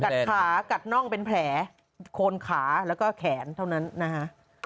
ขากัดน่องเป็นแผลโคนขาแล้วก็แขนเท่านั้นนะฮะ